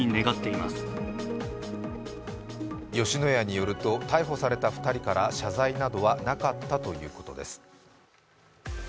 吉野家によると逮捕された２人から謝罪などはなかったということです。